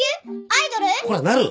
こらなる！